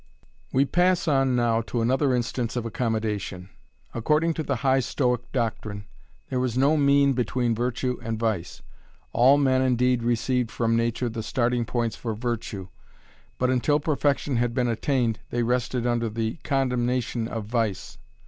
We pass on now another instance of accommodation. According to the high Stoic doctrine, there was no mean between virtue and vice. All men indeed received from nature the starting points for virtue, but until perfection had been attained they rested under the condemnation of vice.